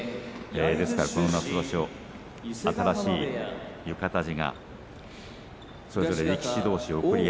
ですから、この場所新しい浴衣地をそれぞれ力士どうし贈り